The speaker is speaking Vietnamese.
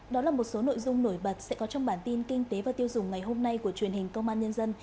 đó là một số nội dung nổi bật sẽ có trong bản tin kinh tế và tiêu dùng ngày hôm nay của truyền hình công an nhân dân